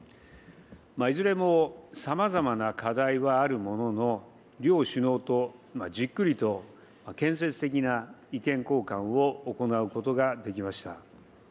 いずれもさまざまな課題はあるものの、両首脳とじっくりと建設的な意見交換を行うことができました。